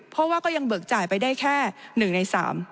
เพราะว่าก็ยังเบิกจ่ายไปได้แค่๑ใน๓